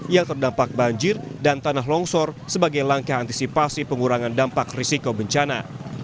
yang terdampak banjir dan tanah longsor sebagai langkah antisipasi pengurangan dampak risiko bencana